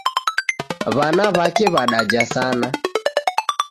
W'ana w'ake w'adaja sana